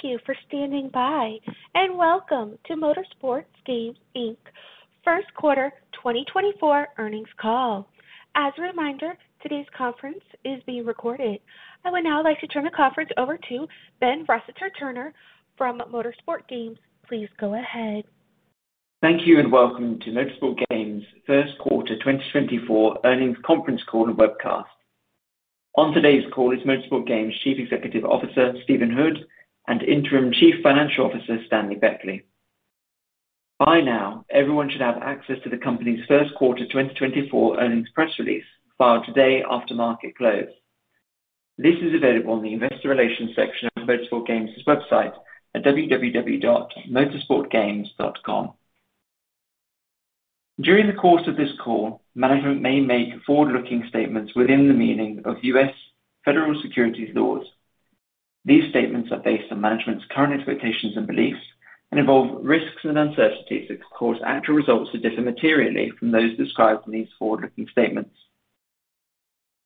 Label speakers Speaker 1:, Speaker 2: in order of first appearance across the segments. Speaker 1: Thank you for standing by, and welcome to Motorsport Games, Inc. First Quarter 2024 earnings call. As a reminder, today's conference is being recorded. I would now like to turn the conference over to Ben Rossiter-Turner from Motorsport Games. Please go ahead.
Speaker 2: Thank you and welcome to Motorsport Games First Quarter 2024 earnings conference call and webcast. On today's call is Motorsport Games Chief Executive Officer Stephen Hood and Interim Chief Financial Officer Stanley Beckley. By now, everyone should have access to the company's First Quarter 2024 earnings press release filed today after market close. This is available in the Investor Relations section of Motorsport Games' website at www.motorsportgames.com. During the course of this call, management may make forward-looking statements within the meaning of U.S. federal securities laws. These statements are based on management's current expectations and beliefs and involve risks and uncertainties that could cause actual results to differ materially from those described in these forward-looking statements.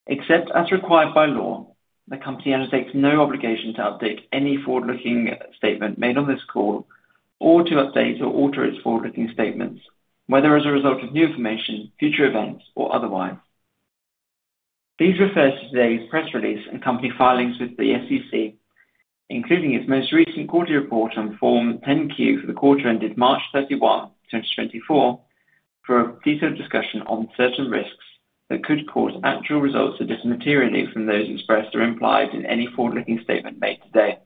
Speaker 2: Except as required by law, the company undertakes no obligation to update any forward-looking statement made on this call or to update or alter its forward-looking statements, whether as a result of new information, future events, or otherwise. These refer to today's press release and company filings with the SEC, including its most recent quarterly report on Form 10-Q for the quarter ended March 31, 2024, for a detailed discussion on certain risks that could cause actual results to differ materially from those expressed or implied in any forward-looking statement made today.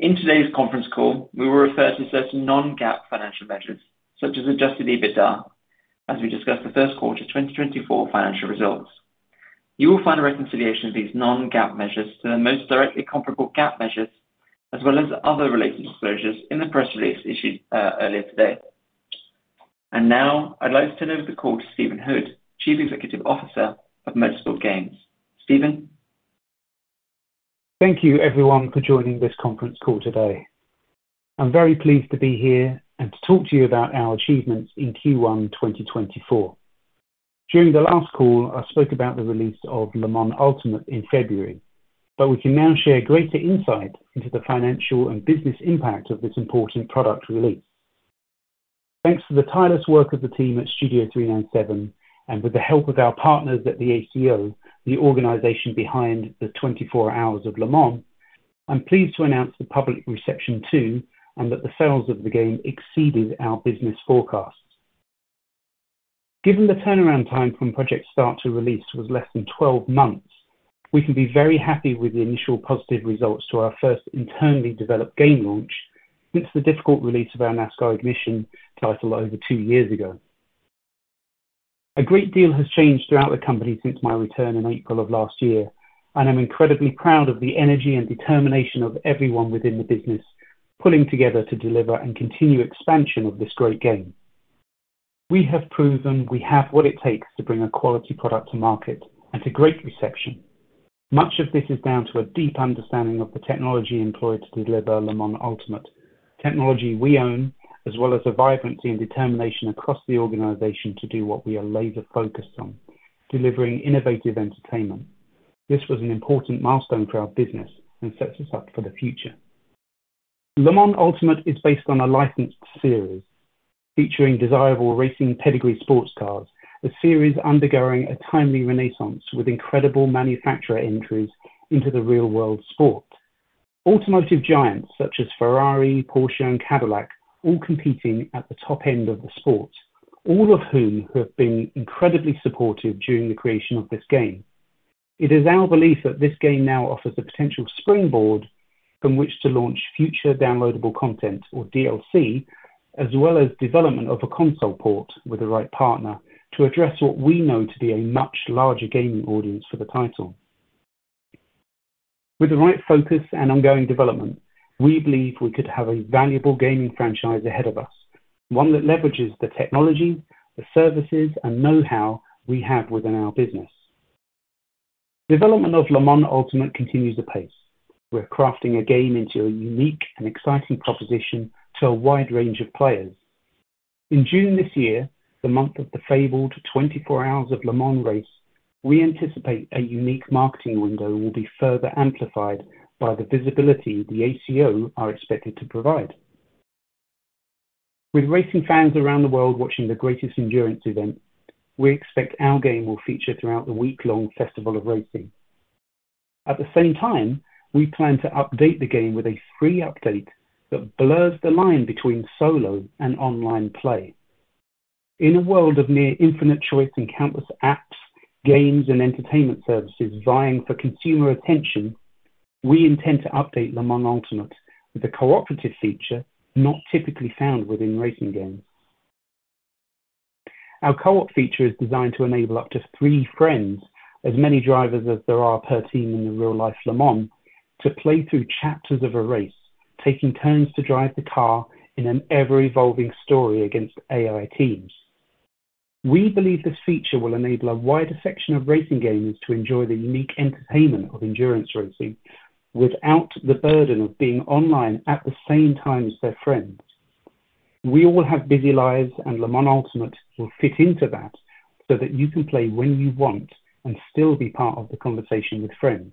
Speaker 2: In today's conference call, we will refer to certain non-GAAP financial measures such as Adjusted EBITDA as we discuss the First Quarter 2024 financial results. You will find a reconciliation of these non-GAAP measures to the most directly comparable GAAP measures as well as other related disclosures in the press release issued earlier today. Now I'd like to turn over the call to Stephen Hood, Chief Executive Officer of Motorsport Games. Stephen?
Speaker 3: Thank you, everyone, for joining this conference call today. I'm very pleased to be here and to talk to you about our achievements in Q1 2024. During the last call, I spoke about the release of Le Mans Ultimate in February, but we can now share greater insight into the financial and business impact of this important product release. Thanks for the tireless work of the team at Studio 397 and, with the help of our partners at the ACO, the organization behind the 24 Hours of Le Mans, I'm pleased to announce the public reception to and that the sales of the game exceeded our business forecasts. Given the turnaround time from project start to release was less than 12 months, we can be very happy with the initial positive results to our first internally developed game launch since the difficult release of our NASCAR Ignition title over 2 years ago. A great deal has changed throughout the company since my return in April of last year, and I'm incredibly proud of the energy and determination of everyone within the business pulling together to deliver and continue expansion of this great game. We have proven we have what it takes to bring a quality product to market and to great reception. Much of this is down to a deep understanding of the technology employed to deliver Le Mans Ultimate, technology we own, as well as a vibrancy and determination across the organization to do what we are laser-focused on, delivering innovative entertainment. This was an important milestone for our business and sets us up for the future. Le Mans Ultimate is based on a licensed series featuring desirable racing pedigree sports cars, a series undergoing a timely renaissance with incredible manufacturer entries into the real-world sport. Automotive giants such as Ferrari, Porsche, and Cadillac are all competing at the top end of the sport, all of whom have been incredibly supportive during the creation of this game. It is our belief that this game now offers a potential springboard from which to launch future downloadable content, or DLC, as well as development of a console port with the right partner to address what we know to be a much larger gaming audience for the title. With the right focus and ongoing development, we believe we could have a valuable gaming franchise ahead of us, one that leverages the technology, the services, and know-how we have within our business. Development of Le Mans Ultimate continues apace. We're crafting a game into a unique and exciting proposition to a wide range of players. In June this year, the month of the fabled 24 Hours of Le Mans race, we anticipate a unique marketing window will be further amplified by the visibility the ACO are expected to provide. With racing fans around the world watching the greatest endurance event, we expect our game will feature throughout the week-long Festival of Racing. At the same time, we plan to update the game with a free update that blurs the line between solo and online play. In a world of near-infinite choice and countless apps, games, and entertainment services vying for consumer attention, we intend to update Le Mans Ultimate with a cooperative feature not typically found within racing games. Our co-op feature is designed to enable up to three friends, as many drivers as there are per team in the real-life Le Mans, to play through chapters of a race, taking turns to drive the car in an ever-evolving story against AI teams. We believe this feature will enable a wider section of racing gamers to enjoy the unique entertainment of endurance racing without the burden of being online at the same time as their friends. We all have busy lives, and Le Mans Ultimate will fit into that so that you can play when you want and still be part of the conversation with friends.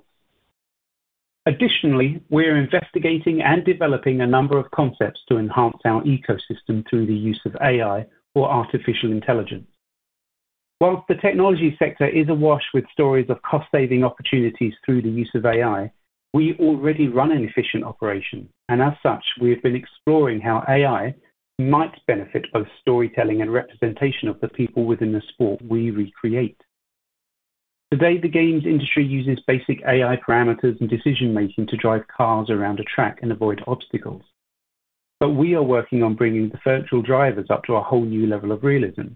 Speaker 3: Additionally, we're investigating and developing a number of concepts to enhance our ecosystem through the use of AI or artificial intelligence. While the technology sector is awash with stories of cost-saving opportunities through the use of AI, we already run an efficient operation, and as such, we have been exploring how AI might benefit both storytelling and representation of the people within the sport we recreate. Today, the games industry uses basic AI parameters and decision-making to drive cars around a track and avoid obstacles, but we are working on bringing the virtual drivers up to a whole new level of realism.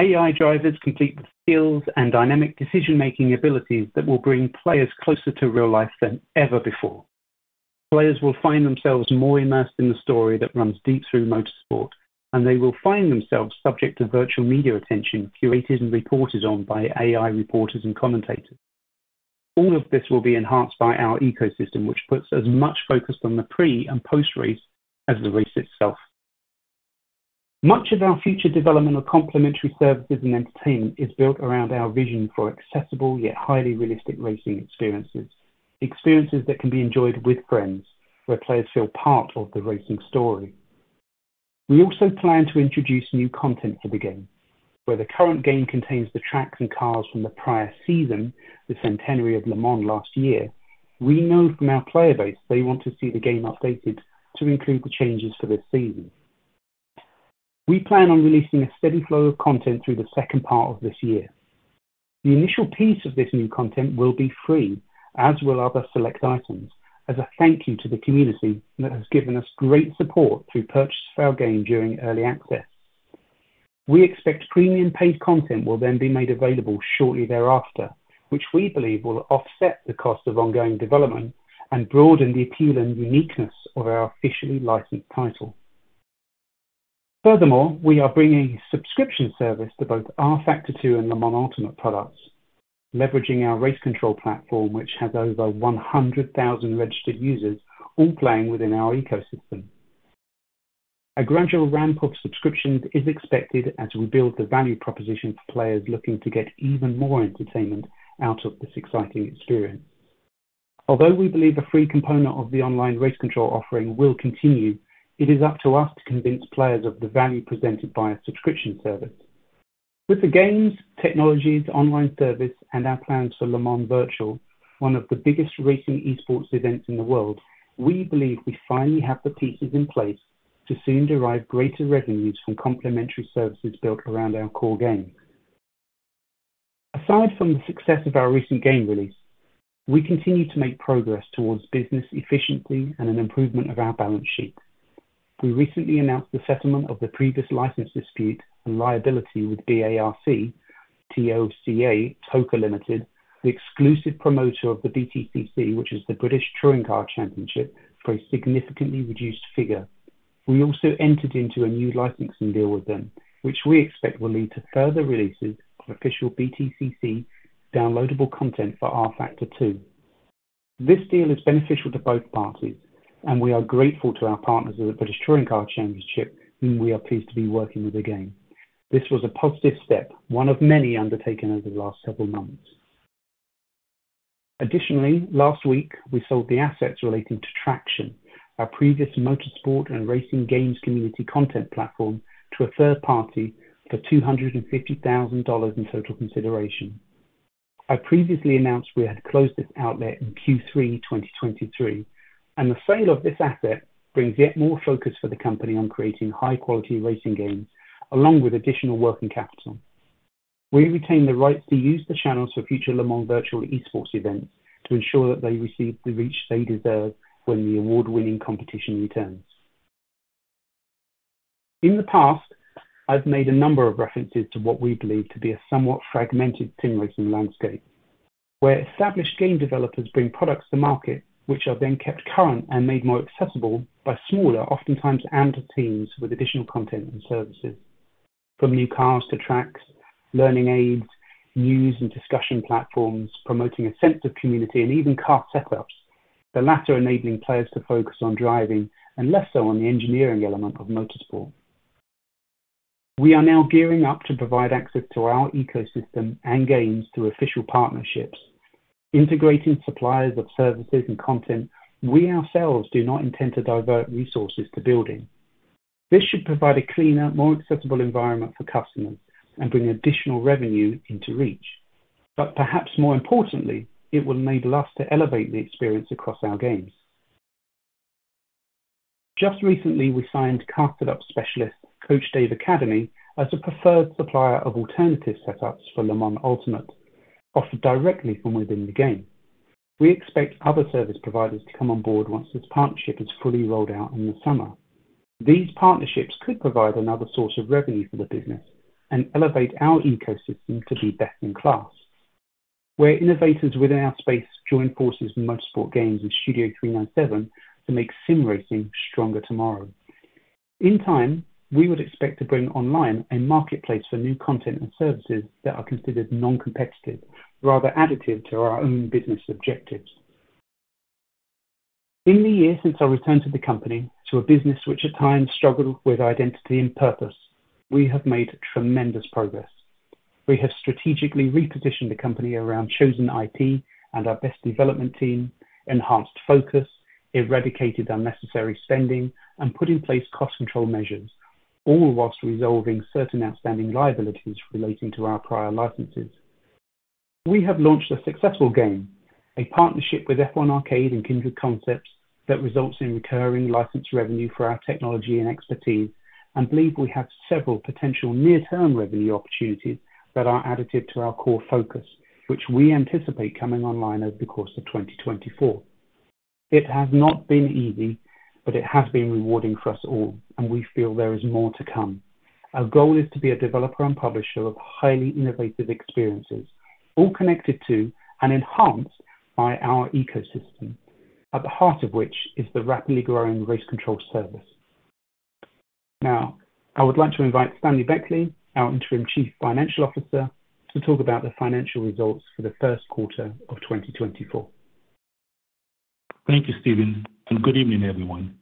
Speaker 3: AI drivers complete with skills and dynamic decision-making abilities that will bring players closer to real life than ever before. Players will find themselves more immersed in the story that runs deep through motorsport, and they will find themselves subject to virtual media attention curated and reported on by AI reporters and commentators. All of this will be enhanced by our ecosystem, which puts as much focus on the pre- and post-race as the race itself. Much of our future development of complementary services and entertainment is built around our vision for accessible yet highly realistic racing experiences, experiences that can be enjoyed with friends, where players feel part of the racing story. We also plan to introduce new content for the game. Where the current game contains the tracks and cars from the prior season, the Centenary of Le Mans last year, we know from our player base they want to see the game updated to include the changes for this season. We plan on releasing a steady flow of content through the second part of this year. The initial piece of this new content will be free, as will other select items, as a thank you to the community that has given us great support through purchase of our game during early access. We expect premium-paid content will then be made available shortly thereafter, which we believe will offset the cost of ongoing development and broaden the appeal and uniqueness of our officially licensed title. Furthermore, we are bringing a subscription service to both rFactor 2 and Le Mans Ultimate products, leveraging our Race Control platform, which has over 100,000 registered users all playing within our ecosystem. A gradual ramp-up of subscriptions is expected as we build the value proposition for players looking to get even more entertainment out of this exciting experience. Although we believe a free component of the online Race Control offering will continue, it is up to us to convince players of the value presented by a subscription service. With the games, technologies, online service, and our plans for Le Mans Virtual, one of the biggest racing eSports events in the world, we believe we finally have the pieces in place to soon derive greater revenues from complementary services built around our core game. Aside from the success of our recent game release, we continue to make progress towards business efficiency and an improvement of our balance sheet. We recently announced the settlement of the previous license dispute and liability with BARC TOCA Limited, the exclusive promoter of the BTCC, which is the British Touring Car Championship, for a significantly reduced figure. We also entered into a new licensing deal with them, which we expect will lead to further releases of official BTCC downloadable content for rFactor 2. This deal is beneficial to both parties, and we are grateful to our partners at the British Touring Car Championship whom we are pleased to be working with again. This was a positive step, one of many undertaken over the last several months. Additionally, last week, we sold the assets relating to Traxion, our previous motorsport and racing games community content platform, to a third party for $250,000 in total consideration. I previously announced we had closed this outlet in Q3 2023, and the sale of this asset brings yet more focus for the company on creating high-quality racing games along with additional working capital. We retain the rights to use the channels for future Le Mans Virtual eSports events to ensure that they receive the reach they deserve when the award-winning competition returns. In the past, I've made a number of references to what we believe to be a somewhat fragmented sim racing landscape, where established game developers bring products to market which are then kept current and made more accessible by smaller, oftentimes amateur teams with additional content and services. From new cars to tracks, learning aids, news and discussion platforms, promoting a sense of community, and even car setups, the latter enabling players to focus on driving and less so on the engineering element of motorsport. We are now gearing up to provide access to our ecosystem and games through official partnerships, integrating suppliers of services and content we ourselves do not intend to divert resources to building. This should provide a cleaner, more accessible environment for customers and bring additional revenue into reach. But perhaps more importantly, it will enable us to elevate the experience across our games. Just recently, we signed car setup specialist Coach Dave Academy as a preferred supplier of alternative setups for Le Mans Ultimate, offered directly from within the game. We expect other service providers to come on board once this partnership is fully rolled out in the summer. These partnerships could provide another source of revenue for the business and elevate our ecosystem to be best in class, where innovators within our space join forces with Motorsport Games in Studio 397 to make sim racing stronger tomorrow. In time, we would expect to bring online a marketplace for new content and services that are considered non-competitive, rather additive to our own business objectives. In the years since our return to the company, to a business which at times struggled with identity and purpose, we have made tremendous progress. We have strategically repositioned the company around chosen IP and our best development team, enhanced focus, eradicated unnecessary spending, and put in place cost control measures, all whilst resolving certain outstanding liabilities relating to our prior licenses. We have launched a successful game, a partnership with F1 Arcade and Kindred Concepts that results in recurring license revenue for our technology and expertise, and believe we have several potential near-term revenue opportunities that are additive to our core focus, which we anticipate coming online over the course of 2024. It has not been easy, but it has been rewarding for us all, and we feel there is more to come. Our goal is to be a developer and publisher of highly innovative experiences, all connected to and enhanced by our ecosystem, at the heart of which is the rapidly growing Race Control service. Now, I would like to invite Stanley Beckley, our Interim Chief Financial Officer, to talk about the financial results for the first quarter of 2024.
Speaker 4: Thank you, Stephen, and good evening, everyone.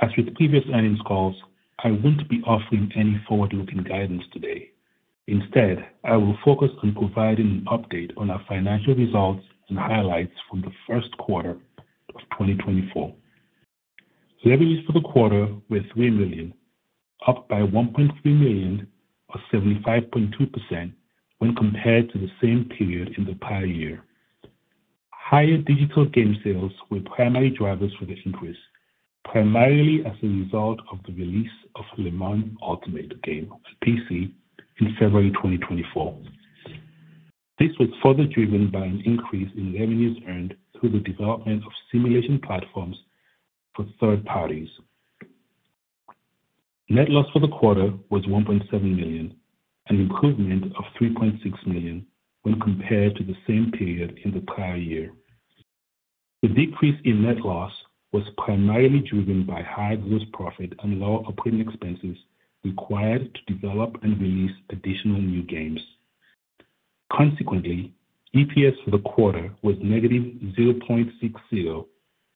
Speaker 4: As with previous earnings calls, I won't be offering any forward-looking guidance today. Instead, I will focus on providing an update on our financial results and highlights from the first quarter of 2024. Revenues for the quarter were $3 million, up by $1.3 million or 75.2% when compared to the same period in the prior year. Higher digital game sales were primary drivers for the increase, primarily as a result of the release of Le Mans Ultimate game on PC in February 2024. This was further driven by an increase in revenues earned through the development of simulation platforms for third parties. Net loss for the quarter was $1.7 million, an improvement of $3.6 million when compared to the same period in the prior year. The decrease in net loss was primarily driven by high gross profit and lower operating expenses required to develop and release additional new games. Consequently, EPS for the quarter was -$0.60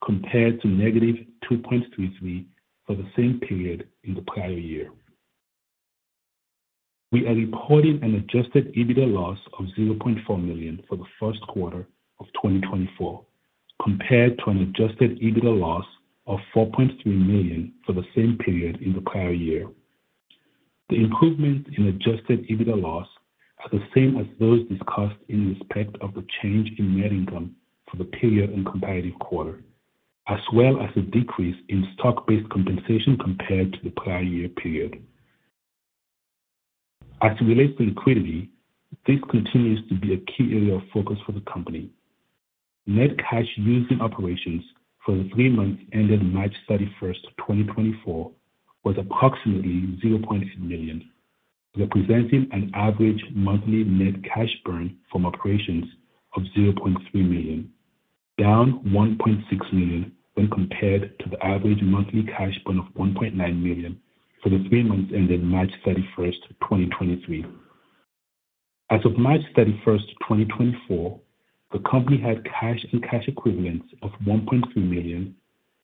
Speaker 4: compared to -$2.33 for the same period in the prior year. We are reporting an Adjusted EBITDA loss of $0.4 million for the first quarter of 2024 compared to an Adjusted EBITDA loss of $4.3 million for the same period in the prior year. The improvement in Adjusted EBITDA loss is the same as those discussed in respect of the change in net income for the period and comparative quarter, as well as a decrease in stock-based compensation compared to the prior year period. As it relates to liquidity, this continues to be a key area of focus for the company. Net cash used in operations for the three months ended March 31st, 2024, was approximately $0.8 million, representing an average monthly net cash burn from operations of $0.3 million, down $1.6 million when compared to the average monthly cash burn of $1.9 million for the three months ended March 31st, 2023. As of March 31st, 2024, the company had cash and cash equivalents of $1.3 million,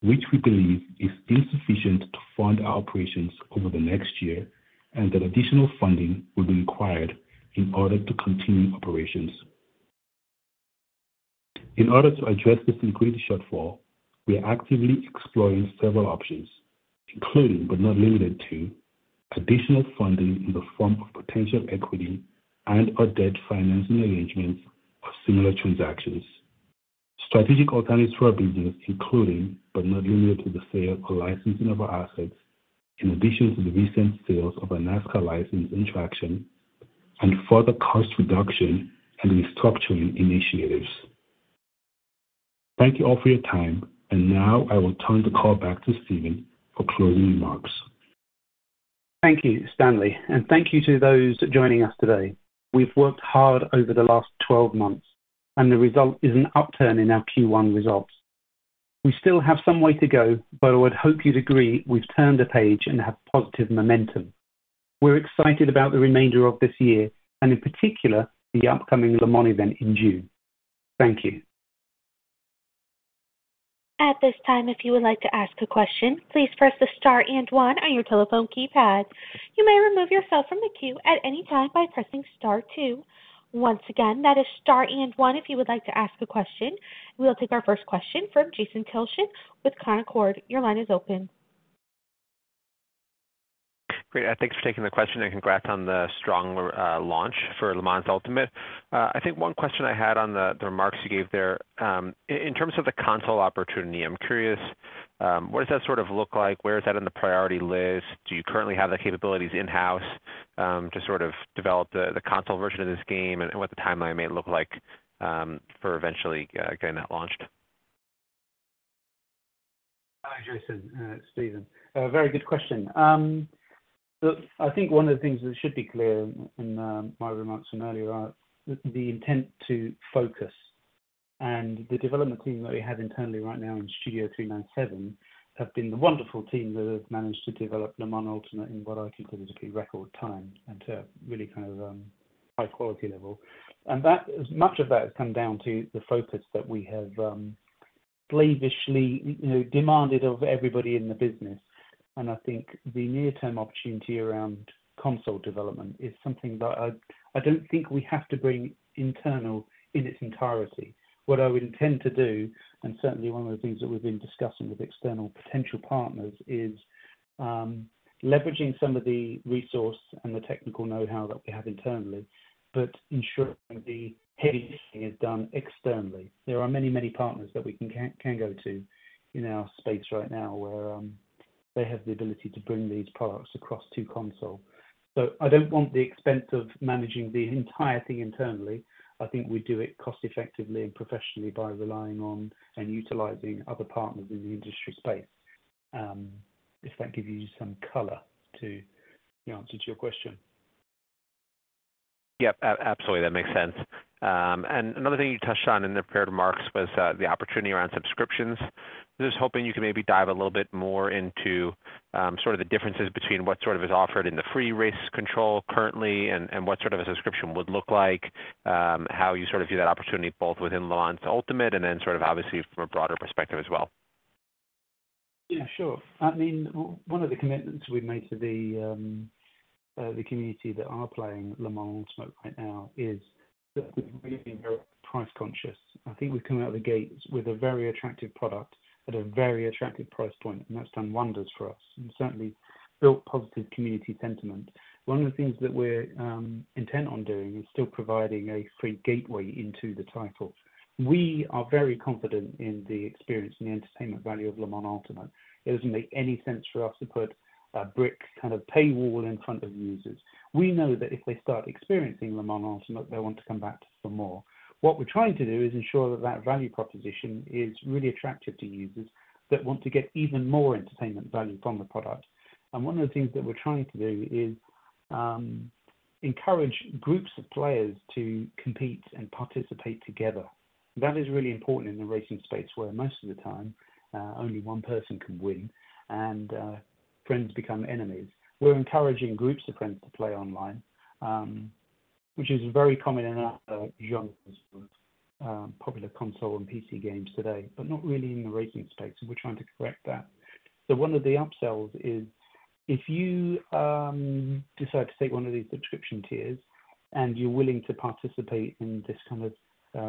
Speaker 4: which we believe is insufficient to fund our operations over the next year and that additional funding will be required in order to continue operations. In order to address this liquidity shortfall, we are actively exploring several options, including but not limited to, additional funding in the form of potential equity and/or debt financing arrangements or similar transactions, strategic alternatives for our business including but not limited to the sale or licensing of our assets in addition to the recent sale of the NASCAR license and Traxion, and further cost reduction and restructuring initiatives. Thank you all for your time, and now I will turn the call back to Stephen for closing remarks.
Speaker 3: Thank you, Stanley, and thank you to those joining us today. We've worked hard over the last 12 months, and the result is an upturn in our Q1 results. We still have some way to go, but I would hope you'd agree we've turned a page and have positive momentum. We're excited about the remainder of this year and, in particular, the upcoming Le Mans event in June. Thank you.
Speaker 1: At this time, if you would like to ask a question, please press the star and one on your telephone keypad. You may remove yourself from the queue at any time by pressing star two. Once again, that is star and one if you would like to ask a question. We'll take our first question from Jason Tilchen with Canaccord Genuity. Your line is open.
Speaker 5: Great. Thanks for taking the question, and congrats on the strong launch for Le Mans Ultimate. I think one question I had on the remarks you gave there, in terms of the console opportunity, I'm curious, what does that sort of look like? Where is that in the priority list? Do you currently have the capabilities in-house to sort of develop the console version of this game and what the timeline may look like for eventually getting that launched?
Speaker 3: Hi, Jason. Stephen. Very good question. I think one of the things that should be clear in my remarks from earlier are the intent to focus. The development team that we have internally right now in Studio 397 have been the wonderful team that have managed to develop Le Mans Ultimate in what I consider to be record time and to a really kind of high-quality level. Much of that has come down to the focus that we have slavishly demanded of everybody in the business. I think the near-term opportunity around console development is something that I don't think we have to bring internal in its entirety. What I would intend to do, and certainly one of the things that we've been discussing with external potential partners, is leveraging some of the resource and the technical know-how that we have internally but ensuring the heavy lifting is done externally. There are many, many partners that we can go to in our space right now where they have the ability to bring these products across to console. So I don't want the expense of managing the entire thing internally. I think we do it cost-effectively and professionally by relying on and utilizing other partners in the industry space, if that gives you some color to the answer to your question.
Speaker 5: Yep, absolutely. That makes sense. Another thing you touched on in the prepared remarks was the opportunity around subscriptions. I was hoping you could maybe dive a little bit more into sort of the differences between what sort of is offered in the free Race Control currently and what sort of a subscription would look like, how you sort of view that opportunity both within Le Mans Ultimate and then sort of, obviously, from a broader perspective as well.
Speaker 3: Yeah, sure. I mean, one of the commitments we've made to the community that are playing Le Mans Ultimate right now is that we've really been very price-conscious. I think we've come out of the gates with a very attractive product at a very attractive price point, and that's done wonders for us and certainly built positive community sentiment. One of the things that we intend on doing is still providing a free gateway into the title. We are very confident in the experience and the entertainment value of Le Mans Ultimate. It doesn't make any sense for us to put a brick kind of paywall in front of users. We know that if they start experiencing Le Mans Ultimate, they'll want to come back for more. What we're trying to do is ensure that that value proposition is really attractive to users that want to get even more entertainment value from the product. One of the things that we're trying to do is encourage groups of players to compete and participate together. That is really important in the racing space where most of the time, only one person can win, and friends become enemies. We're encouraging groups of friends to play online, which is very common in other genres of popular console and PC games today but not really in the racing space, and we're trying to correct that. One of the upsells is if you decide to take one of these subscription tiers and you're willing to participate in this kind of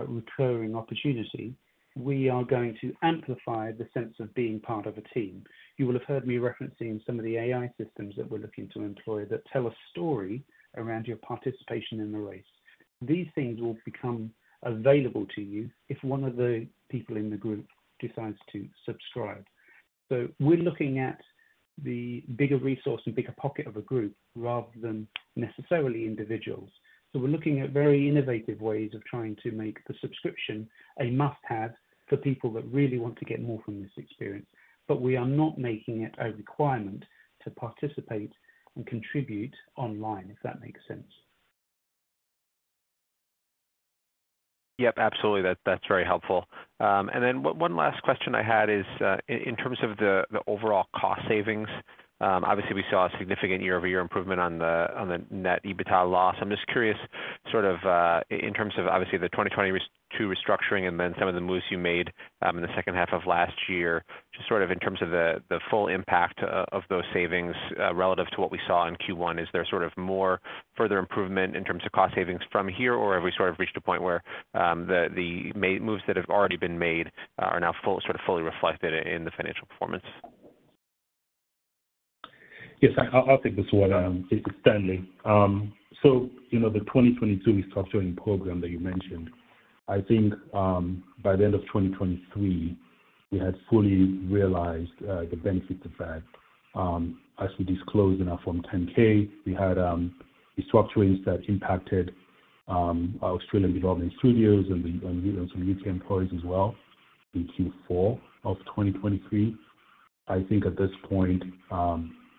Speaker 3: recurring opportunity, we are going to amplify the sense of being part of a team. You will have heard me referencing some of the AI systems that we're looking to employ that tell a story around your participation in the race. These things will become available to you if one of the people in the group decides to subscribe. So we're looking at the bigger resource and bigger pocket of a group rather than necessarily individuals. So we're looking at very innovative ways of trying to make the subscription a must-have for people that really want to get more from this experience, but we are not making it a requirement to participate and contribute online, if that makes sense.
Speaker 5: Yep, absolutely. That's very helpful. And then one last question I had is in terms of the overall cost savings, obviously, we saw a significant year-over-year improvement on the net EBITDA loss. I'm just curious sort of in terms of, obviously, the 2022 restructuring and then some of the moves you made in the second half of last year, just sort of in terms of the full impact of those savings relative to what we saw in Q1, is there sort of more further improvement in terms of cost savings from here, or have we sort of reached a point where the moves that have already been made are now sort of fully reflected in the financial performance?
Speaker 4: Yes, I'll take this one, Stanley. So the 2022 restructuring program that you mentioned, I think by the end of 2023, we had fully realized the benefits of that. As we disclosed in our Form 10-K, we had restructurings that impacted Australian development studios and some U.K. employees as well in Q4 of 2023. I think at this point,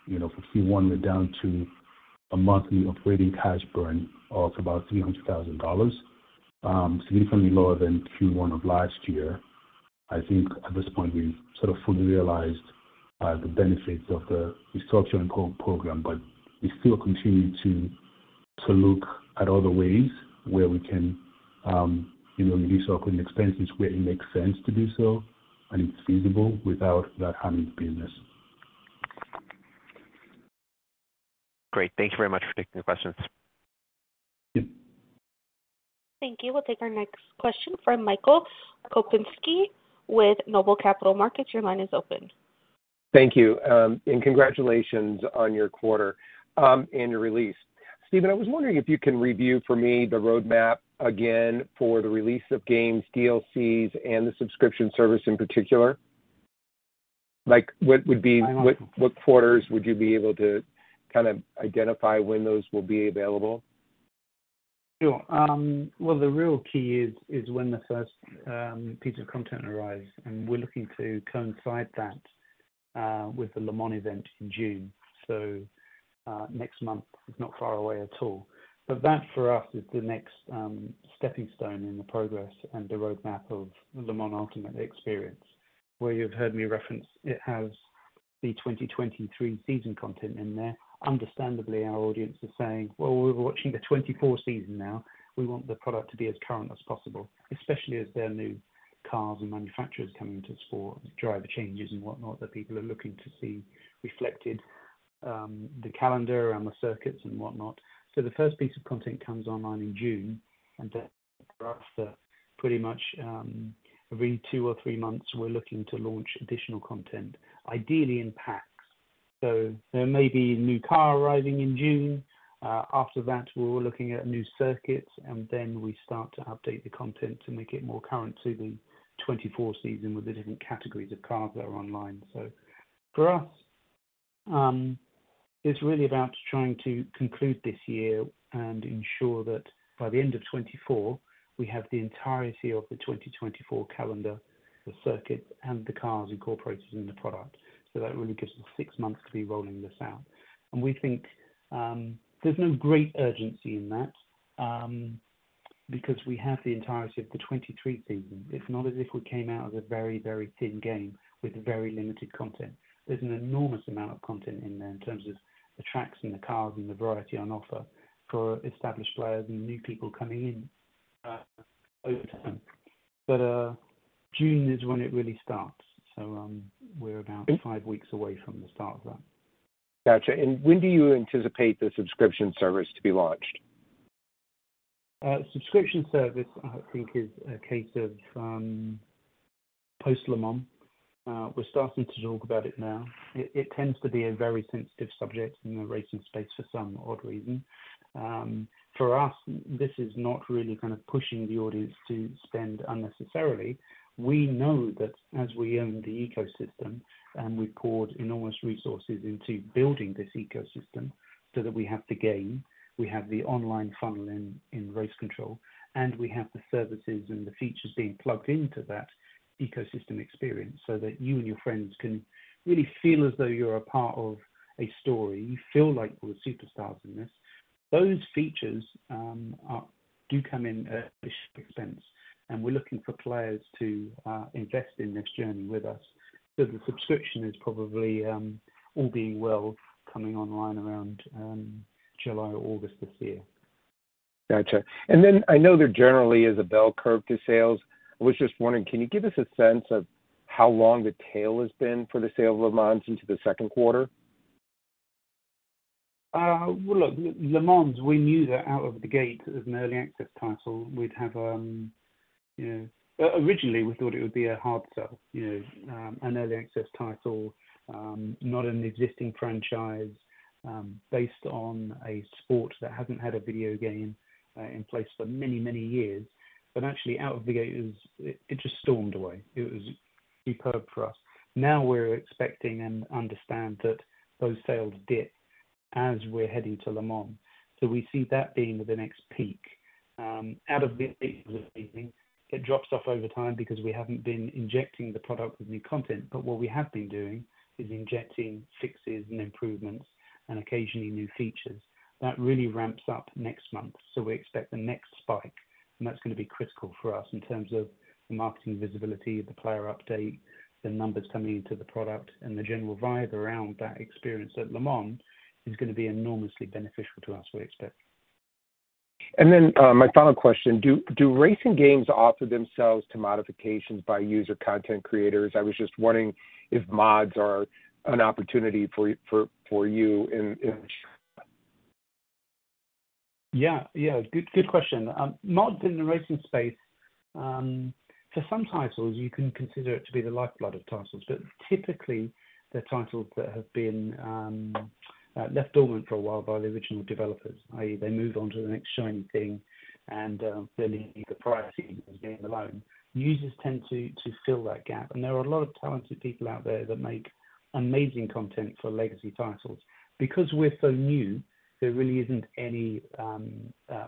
Speaker 4: for Q1, we're down to a monthly operating cash burn of about $300,000, significantly lower than Q1 of last year. I think at this point, we've sort of fully realized the benefits of the restructuring program, but we still continue to look at other ways where we can reduce our operating expenses where it makes sense to do so and it's feasible without that harming the business.
Speaker 5: Great. Thank you very much for taking the questions.
Speaker 1: Thank you. We'll take our next question from Michael Kupinski with Noble Capital Markets. Your line is open.
Speaker 6: Thank you, and congratulations on your quarter and your release. Stephen, I was wondering if you can review for me the roadmap again for the release of games, DLCs, and the subscription service in particular. What quarters would you be able to kind of identify when those will be available?
Speaker 3: Sure. Well, the real key is when the first piece of content arrives, and we're looking to coincide that with the Le Mans event in June. So next month is not far away at all. But that, for us, is the next stepping stone in the progress and the roadmap of the Le Mans Ultimate experience. Where you've heard me reference, it has the 2023 season content in there. Understandably, our audience is saying, "Well, we're watching the 2024 season now. We want the product to be as current as possible," especially as there are new cars and manufacturers coming into sport, driver changes, and whatnot that people are looking to see reflected: the calendar and the circuits and whatnot. So the first piece of content comes online in June, and then after pretty much every two or three months, we're looking to launch additional content, ideally in packs. So there may be a new car arriving in June. After that, we're looking at new circuits, and then we start to update the content to make it more current to the 2024 season with the different categories of cars that are online. So for us, it's really about trying to conclude this year and ensure that by the end of 2024, we have the entirety of the 2024 calendar, the circuits, and the cars incorporated in the product. So that really gives us six months to be rolling this out. We think there's no great urgency in that because we have the entirety of the 2023 season. It's not as if we came out of a very, very thin game with very limited content. There's an enormous amount of content in there in terms of the tracks and the cars and the variety on offer for established players and new people coming in over time. But June is when it really starts, so we're about five weeks away from the start of that.
Speaker 6: Gotcha. When do you anticipate the subscription service to be launched?
Speaker 3: Subscription service, I think, is a case of post-Le Mans. We're starting to talk about it now. It tends to be a very sensitive subject in the racing space for some odd reason. For us, this is not really kind of pushing the audience to spend unnecessarily. We know that as we own the ecosystem and we've poured enormous resources into building this ecosystem so that we have the game, we have the online funnel in Race Control, and we have the services and the features being plugged into that ecosystem experience so that you and your friends can really feel as though you're a part of a story, feel like we're superstars in this. Those features do come in at a special expense, and we're looking for players to invest in this journey with us. The subscription is probably all being well coming online around July or August this year.
Speaker 6: Gotcha. And then I know there generally is a bell curve to sales. I was just wondering, can you give us a sense of how long the tail has been for the sale of Le Mans into the second quarter?
Speaker 3: Well, look, Le Mans, we knew that out of the gate as an early access title. Originally, we thought it would be a hard sell, an early access title, not an existing franchise based on a sport that hasn't had a video game in place for many, many years. But actually, out of the gate, it just stormed away. It was superb for us. Now we're expecting and understand that those sales dip as we're heading to Le Mans. So we see that being the next peak. Out of the gate was a feeling. It drops off over time because we haven't been injecting the product with new content. But what we have been doing is injecting fixes and improvements and occasionally new features. That really ramps up next month, so we expect the next spike, and that's going to be critical for us in terms of the marketing visibility, the player update, the numbers coming into the product, and the general vibe around that experience at Le Mans is going to be enormously beneficial to us. We expect.
Speaker 6: And then my final question, do racing games offer themselves to modifications by user content creators? I was just wondering if mods are an opportunity for you in.
Speaker 3: Yeah, yeah, good question. Mods in the racing space, for some titles, you can consider it to be the lifeblood of titles, but typically, they're titles that have been left dormant for a while by the original developers, i.e., they move on to the next shiny thing, and they leave the priority as being low. Users tend to fill that gap, and there are a lot of talented people out there that make amazing content for legacy titles. Because we're so new, there really isn't any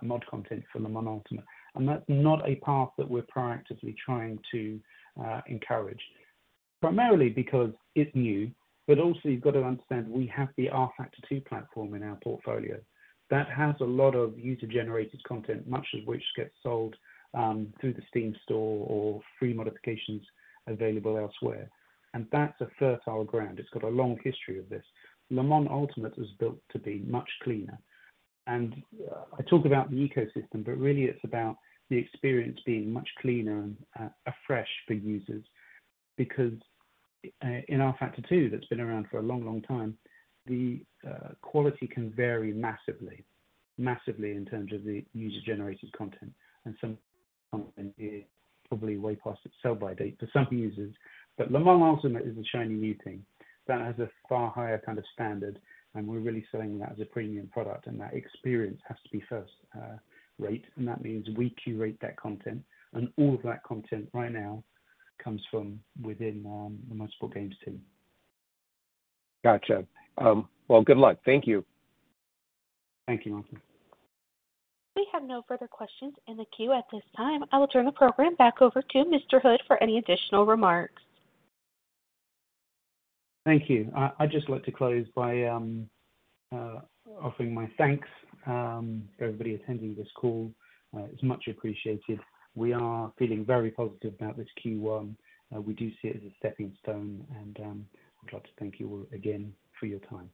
Speaker 3: mod content for Le Mans Ultimate, and that's not a path that we're proactively trying to encourage, primarily because it's new. But also, you've got to understand we have the rFactor 2 platform in our portfolio. That has a lot of user-generated content, much of which gets sold through the Steam store or free modifications available elsewhere, and that's a fertile ground. It's got a long history of this. Le Mans Ultimate is built to be much cleaner. I talk about the ecosystem, but really, it's about the experience being much cleaner and afresh for users because in rFactor 2 that's been around for a long, long time, the quality can vary massively, massively in terms of the user-generated content, and some content is probably way past its sell-by date for some users. Le Mans Ultimate is a shiny new thing. That has a far higher kind of standard, and we're really selling that as a premium product, and that experience has to be first rate, and that means we curate that content, and all of that content right now comes from within the Motorsport Games team.
Speaker 6: Gotcha. Well, good luck. Thank you.
Speaker 3: Thank you, Michael.
Speaker 1: We have no further questions in the queue at this time. I will turn the program back over to Mr. Hood for any additional remarks.
Speaker 3: Thank you. I'd just like to close by offering my thanks for everybody attending this call. It's much appreciated. We are feeling very positive about this Q1. We do see it as a stepping stone, and I'd like to thank you all again for your time.